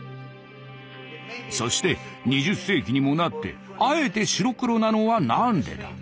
そして２０世紀にもなってあえて白黒なのは何でだ？